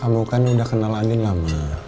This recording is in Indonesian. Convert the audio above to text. kamu kan udah kenal angin lama